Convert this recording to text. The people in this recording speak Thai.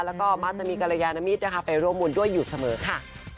แล้วก็บ้าจำีการยานมิตรไปร่วมมุลด้วยอยู่เสมอค่ะ